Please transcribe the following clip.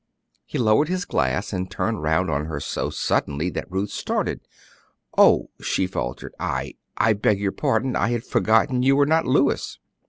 He lowered his glass and turned round on her so suddenly that Ruth started. "Oh," she faltered, "I I beg your pardon; I had forgotten you were not Louis."